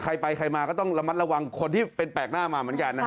ใครไปใครมาก็ต้องระมัดระวังคนที่เป็นแปลกหน้ามาเหมือนกันนะฮะ